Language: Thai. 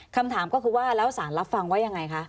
คำถามก็คือว่าแล้วสารรับฟังว่ายังไงคะ